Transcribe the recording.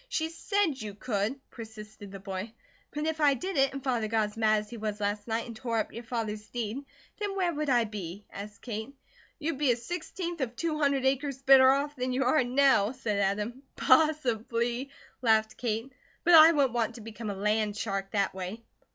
"She SAID you could," persisted the boy. "But if I did it, and Father got as mad as he was last night and tore up your father's deed, then where would I be?" asked Kate. "You'd be a sixteenth of two hundred acres better off than you are now," said Adam. "Possibly," laughed Kate, "but I wouldn't want to become a land shark that way.